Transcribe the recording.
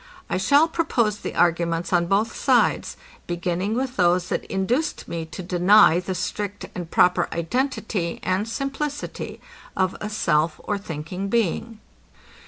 I shall propose the arguments on both sides, beginning with those that induced me to deny the strict and proper identity and simplicity of a self or thinking being.